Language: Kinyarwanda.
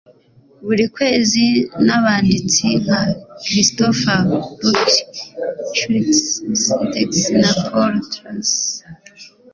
buri kwezi nabanditsi nka Christopher Buckley Curtis Sittenfeld na Paul Theroux